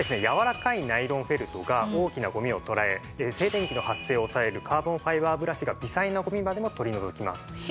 やわらかいナイロンフェルトが大きなゴミをとらえ静電気の発生を抑えるカーボンファイバーブラシが微細なゴミまでも取り除きます。